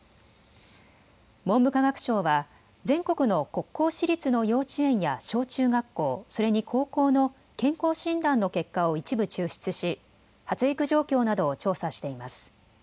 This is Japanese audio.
文部科学省は全国の国公私立の幼稚園や小中学校、それに高校の健康診断の結果を一部、抽出し発育状況などを調査しています。